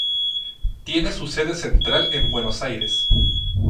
Tiene su sede central en Buenos Aires.